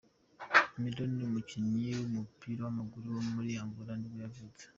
Miloy, umukinnyi w’umupira w’amaguru wo muri Angola nibwo yavutse.